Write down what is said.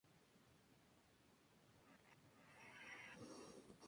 Es fundador y por un tiempo director del Jardín Botánico de Zúrich.